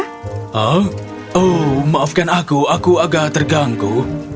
hmm oh maafkan aku aku agak terganggu